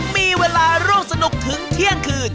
มีเวลาร่วมสนุกถึงเที่ยงคืน